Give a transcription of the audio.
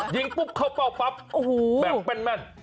ยิงปุ๊บเข้าเป้าปั๊บแบบเป็นแม่น